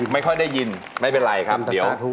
ไม่ค่อยได้ยินไม่เป็นไรครับ